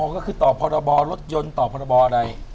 ก็คือต่อพรบรถยนต์ต่อพรบอะไร